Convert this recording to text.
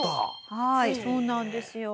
はいそうなんですよ。